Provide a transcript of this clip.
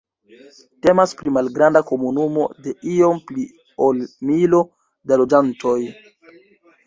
Temas pri malgranda komunumo de iom pli ol milo da loĝantoj.